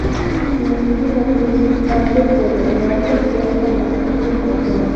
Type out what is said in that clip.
Su último club antes de retirarse fue San Martín de San Juan.